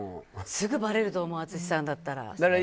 すぐばれると思う淳さんだったら。